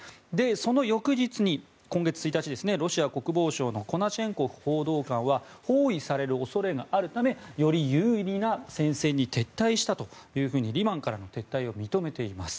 その翌日、今月１日にロシア国防省のコナシェンコフ報道官は包囲される恐れがあるためより有利な戦線に撤退したと、リマンからの撤退を認めています。